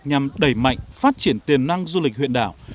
nhằm đẩy mạnh phát triển tiềm năng du lịch huyện đảo